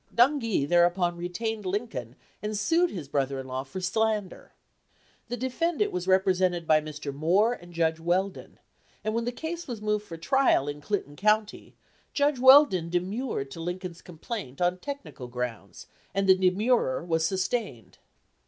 Dungee thereupon retained Lincoln and sued his brother in law for slander. The defendant was repre sented by Mr. Moore and Judge Weldon, and when the case was moved for trial in Clinton County, Judge Weldon demurred to Lincoln's complaint on technical grounds, and the de murrer was sustained.